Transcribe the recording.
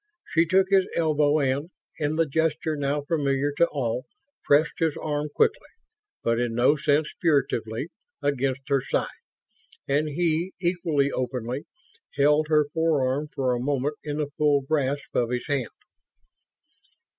She took his elbow and, in the gesture now familiar to all, pressed his arm quickly, but in no sense furtively, against her side. And he, equally openly, held her forearm for a moment in the full grasp of his hand.